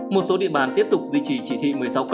một số địa bàn tiếp tục duy trì chỉ thị một mươi sáu